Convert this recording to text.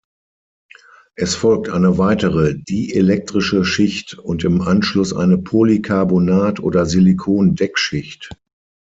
Es folgt eine weitere dielektrische Schicht und im Anschluss eine Polycarbonat- oder Silikon-Deckschicht.